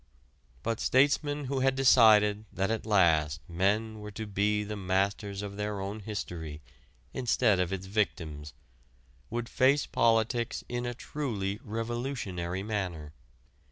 But statesmen who had decided that at last men were to be the masters of their own history, instead of its victims, would face politics in a truly revolutionary manner.